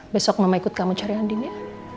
besok mama ikut kamu cari andin ya